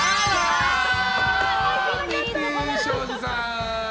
ミキティ、庄司さん！